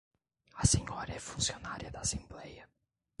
A senhora é funcionária da Assembleia?